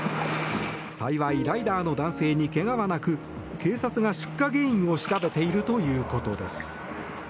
幸い、ライダーの男性に怪我はなく警察が出火原因を調べているということです。